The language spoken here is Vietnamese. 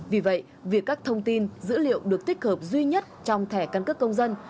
vì vậy việc các thông tin dữ liệu được tích hợp duy nhất trong thẻ căn cước công dân